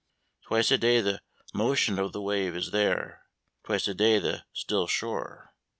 Twice a day the motion of the wave is there, twice a day the still shore.